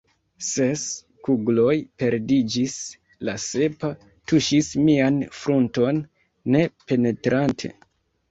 Ses kugloj perdiĝis; la sepa tuŝis mian frunton ne penetrante.